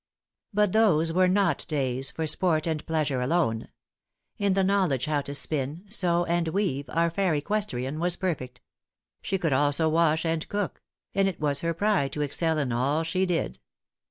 But those were not days for sport and pleasure alone. In the knowledge how to spin, sew, and weave, our fair equestrian was perfect. She could also wash and cook; and it was her pride to excel in all she did.